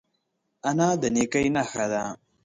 انا د نیکۍ نښه ده